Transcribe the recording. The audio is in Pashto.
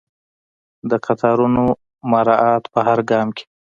د قطارونو مراعات په هر ګام کې.